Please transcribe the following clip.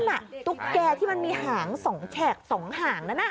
ตุ๊กแกที่มันมีหาง๒แฉก๒หางนั้น